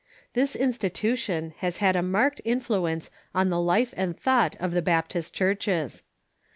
This institution has had a marked influence on the life and thought of the Baptist churches.